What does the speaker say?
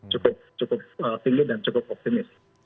cukup tinggi dan cukup optimis